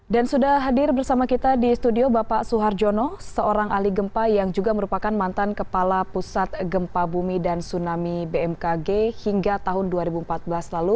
dan sudah hadir bersama kita di studio bapak suharjono seorang alih gempa yang juga merupakan mantan kepala pusat gempa bumi dan tsunami bmkg hingga tahun dua ribu empat belas lalu